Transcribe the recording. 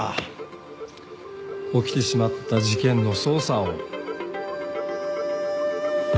起きてしまった事件の捜査を。